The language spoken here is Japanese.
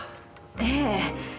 ええ。